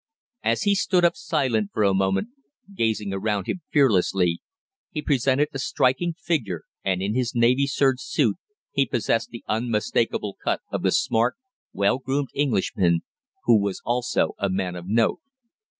As he stood up silent for a moment, gazing around him fearlessly, he presented a striking figure and in his navy serge suit he possessed the unmistakable cut of the smart, well groomed Englishman who was also a man of note.